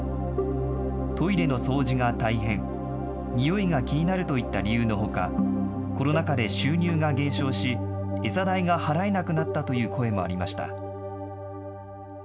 トイレの掃除が大変、臭いが気になるといった理由のほか、コロナ禍で収入が減少し、餌代が払えなくなったという声もありました。